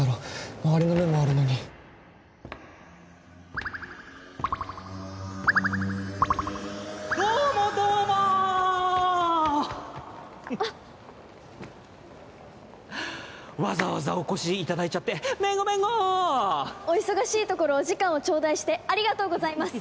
まわりの目もあるのにどうもどうもあっわざわざお越しいただいちゃってメンゴメンゴお忙しいところお時間をちょうだいしてありがとうございます